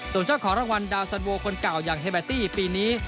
ส่วนเจ้าของรางวัลดาวสันโวคนเก่าอย่างเฮเบตตี้ปีนี้